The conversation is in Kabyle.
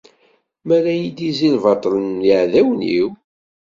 Mi ara iyi-d-izzi lbaṭel n yiεdawen-iw?